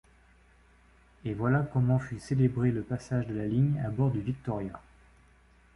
Et voilà comment fut célébré le passage de la ligne à bord du Victoria.